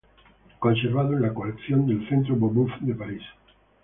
Conservado en la colección del Centro Pompidou de París.